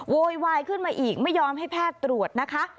โวยวายขึ้นมาอีกไม่ยอมให้แพทย์ตรวจนะคะ